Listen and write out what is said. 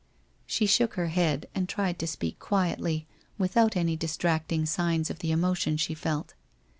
' She shook her head, and tried to speak quietly, without any distracting signs of the emotion she felt.